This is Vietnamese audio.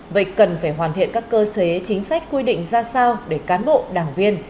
vậy cần phải hoàn thiện các cơ chế chính sách quy định ra sao để cán bộ đảng viên